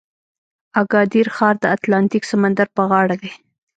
اګادیر ښار د اتلانتیک سمندر په غاړه دی.